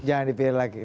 jangan dipilih lagi